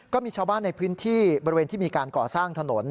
ก็มีชาวบ้านในพื้นที่บริเวณที่มีการก่อสร้างถนน